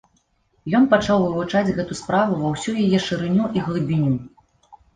Ён пачаў вывучаць гэту справу ва ўсю яе шырыню і глыбіню.